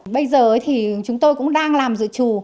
bây giờ thì chúng tôi cũng đang làm dự trù